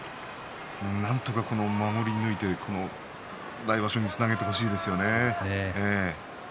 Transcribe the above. なんとか守り抜いて来場所につなげてほしいですよね。